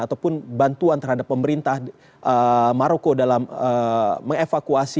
ataupun bantuan terhadap pemerintah maroko dalam mengevakuasi